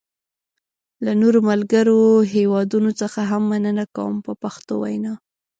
له نورو ملګرو هېوادونو څخه هم مننه کوم په پښتو وینا.